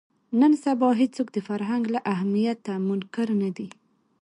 نن سبا هېڅوک د فرهنګ له اهمیته منکر نه دي